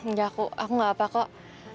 nggak ku aku gak apa kok